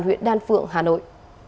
huyện đan phượng hà nội